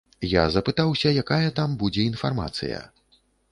Я запытаўся, якая там будзе інфармацыя.